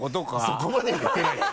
そこまで言ってないよ。